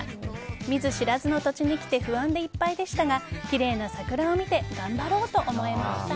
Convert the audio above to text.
見ず知らずの土地に来て不安でいっぱいでしたがきれいな桜を見て頑張ろうと思えました。